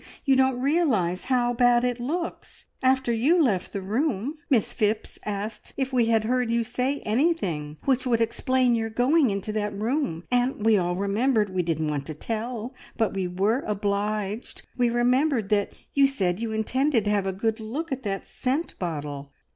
You don't realise how bad it looks. After you left the room, Miss Phipps asked if we had heard you say anything which would explain your going into that room, and we all remembered we didn't want to tell, but we were obliged we remembered that you said you intended to have a good look at the scent bottle."